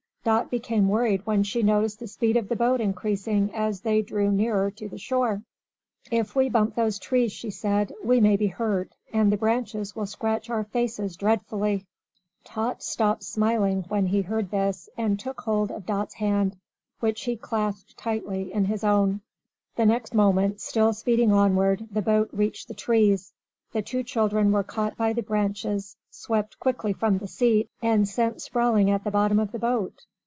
Dot became worried when she noticed the speed of the boat increasing as they drew nearer to the shore. "If we bump those trees," she said, "we may be hurt, and the branches will scratch our faces dreadfully." Tot stopped smiling when he heard this, and took hold of Dot's hand, which he clasped tightly in his own. The next moment, still speeding onward, the boat reached the trees. The two children were caught by the branches, swept quickly from the seat, and sent sprawling at the bottom of the boat.